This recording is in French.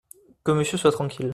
Que Monsieur soit tranquille !